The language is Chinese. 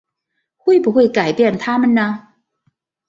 会不会改变他们呢？